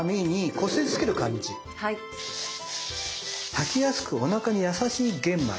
炊きやすくおなかに優しい玄米。